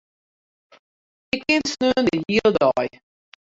Ik kin sneon de hiele dei.